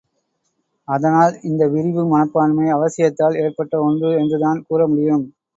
அதனால் இந்த விரிவு மனப்பான்மை அவசியத்தால் ஏற்பட்ட ஒன்று என்றுதான் கூறமுடியும்.